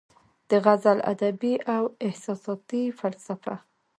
د غزل ادبي او احساساتي فلسفه